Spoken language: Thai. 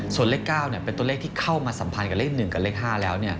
ส่วนเลข๙เป็นตัวเลขที่เข้ามาสัมพันธ์กับเลข๑กับเลข๕แล้ว